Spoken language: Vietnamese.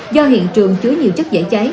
do hiện trường chứa nhiều chất giải cháy